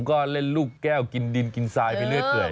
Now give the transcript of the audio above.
ก็เล่นลูกแก้วกินดินกินทรายไปเรื่อยเปื่อย